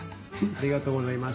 ありがとうございます。